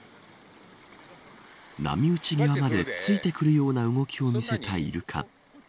波打ち際までついてくるような動きを見せたイルカ。